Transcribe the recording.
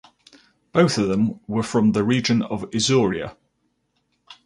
Both of them were from the region of Isauria.